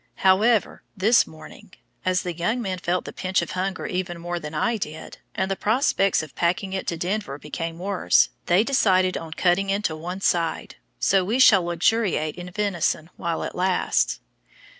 However, this morning, as the young men felt the pinch of hunger even more than I did, and the prospects of packing it to Denver became worse, they decided on cutting into one side, so we shall luxuriate in venison while it lasts.